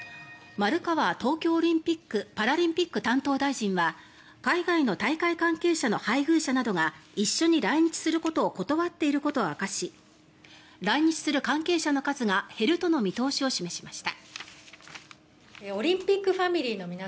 丸川東京オリンピック・パラリンピック担当大臣は海外の大会関係者の配偶者などが一緒に来日することを断っていることを明かし来日する関係者の数が減るとの見通しを示しました。